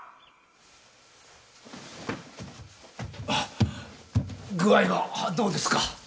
あっ具合はどうですか？